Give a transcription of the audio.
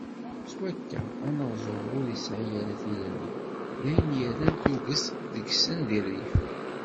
S wakka, anaẓur ur yesɛi ara tilelli, d ayen yerran tuget deg-sen di rrif.